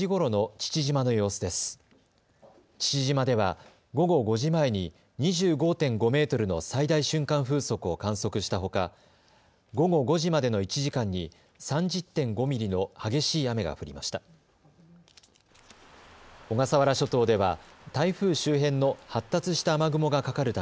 父島では午後５時前に２５．５メートルの最大瞬間風速を観測したほか、午後５時までの１時間に３０．５ミリの激しい雨が降りました。